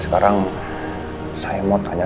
sekarang gini tante